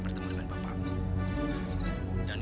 betul siapa kalian